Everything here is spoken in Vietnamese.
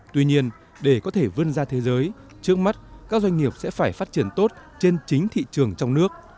tuy nhiên để có thể vươn ra thế giới trước mắt các doanh nghiệp sẽ phải phát triển tốt trên chính thị trường trong nước